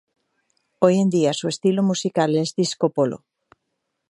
Hoy en día su estilo musical es Disco Polo.